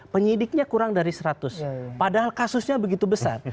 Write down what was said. penyidiknya kurang dari seratus padahal kasusnya begitu besar